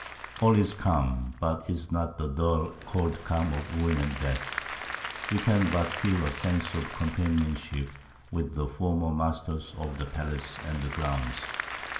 ] All is calm, but it is not the dull, cold calm of ruin and death; we can but feel a sense of companionship with the former masters of the palace and the grounds.